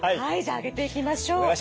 はいじゃあ開けていきましょう。